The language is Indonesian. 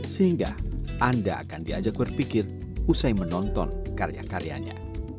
sehingga anda akan diajak berpikir usai menonton karya karyanya